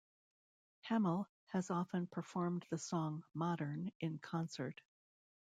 Hammill has often performed the song "Modern" in concert.